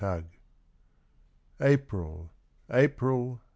APRIL April! April!